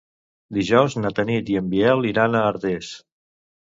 Dijous na Tanit i en Biel iran a Artés.